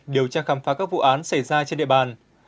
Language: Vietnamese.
điều tra khám phá các vụ án xảy ra trên địa bàn